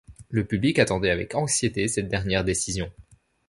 Le public attendait avec anxiété cette dernière décision.